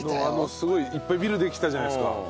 「すごいいっぱいビルできたじゃないですか」